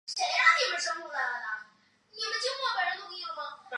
普莱森特西特是一个位于美国阿拉巴马州富兰克林县的非建制地区。